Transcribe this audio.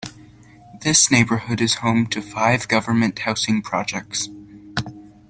This neighborhood is home to five government housing projects.